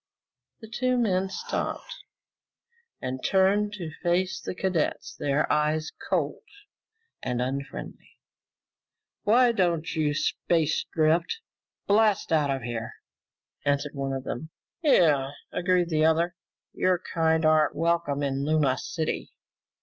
The two men stopped and turned to face the cadet, their eyes cold and unfriendly. "Why don't you space drift blast out of here?" asked one of them. "Yeah," agreed the other, "your kind aren't welcome in Luna City."